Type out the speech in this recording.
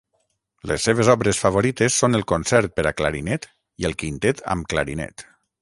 Les seves obres favorites són el concert per a clarinet i el Quintet amb clarinet.